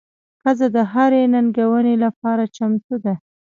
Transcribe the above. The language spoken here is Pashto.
ښځه د هرې ننګونې لپاره چمتو ده.